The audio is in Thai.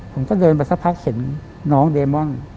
ผมก็เดินไปสักพักเห็นน้องเดมอน